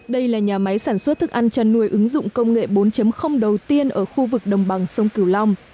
đây là nhà máy sản xuất thức ăn chăn nuôi ứng dụng công nghệ bốn đầu tiên ở khu vực đồng bằng sông cửu long